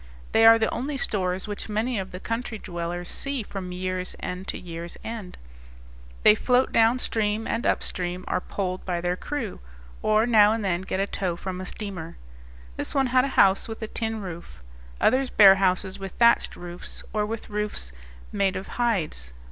They are the only stores which many of the country dwellers see from year's end to year's end. They float down stream, and up stream are poled by their crew, or now and then get a tow from a steamer. This one had a house with a tin roof; others bear houses with thatched roofs, or with roofs made of hides.